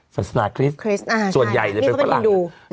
ศาสนาคริสต์ส่วนใหญ่จะเป็นฝรั่งนี่เขาเป็นฮินดู